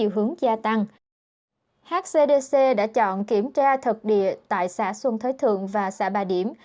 hcdc đã chọn kiểm tra thực địa tại xã xuân thới thượng và xã ba điểm